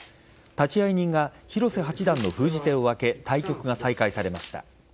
立会人が広瀬八段の封じ手を開け対局が再開されました。